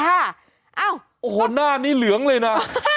เอ้าโอ้โหหน้านี้เหลืองเลยนะ